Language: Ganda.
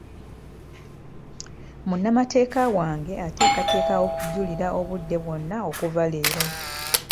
Munnamateeka wange ateekateeka okujulira obudde bwonna okuva leero.